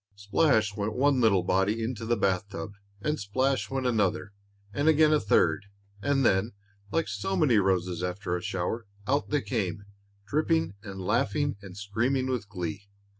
Splash went one little body into the bath tub, and splash went another, and again a third; and then, like so many roses after a shower, out they came, dripping, and laughing and screaming with glee.